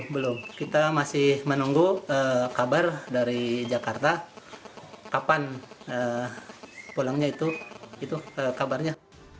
belum kita masih menunggu kabar dari jakarta kapan pulangnya itu kabarnya